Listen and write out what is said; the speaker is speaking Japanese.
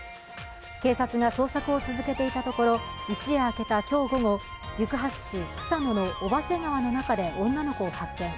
警察が捜索を続けていたところ、一夜明けた今日午後、行橋市草野の小波瀬川の中で女の子を発見。